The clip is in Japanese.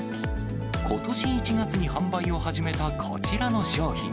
ことし１月に販売を始めたこちらの商品。